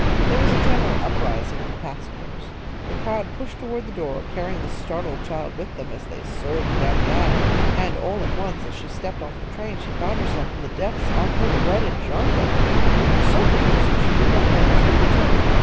There was a general uprising of the passengers. The crowd pushed toward the door, carrying the startled child with them as they surged down the aisle, and all at once as she stepped off the train she found herself in the depths of her dreaded jungle. It was so confusing she did not know which way to turn.